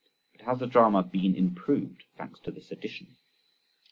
But has the drama been improved thanks to this addition?